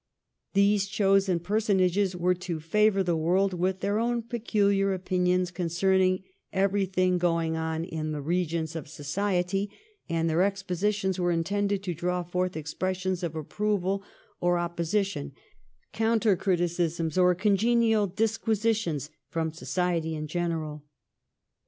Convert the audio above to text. These chosen personages were to favour the world with their own peculiar opinions concerning everything going on in the regions of society, and their expositions were intended to draw forth expressions of approval or opposition, counter criticisms or congenial disquisitions, from society in general.